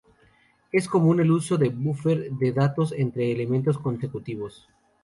Es común el uso de búfer de datos entre elementos consecutivos.